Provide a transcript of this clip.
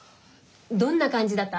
どんな感じだった？